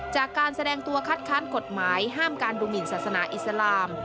จากการแสดงตัวคัดค้านกฎหมายห้ามการดูหมินศาสนาอิสลาม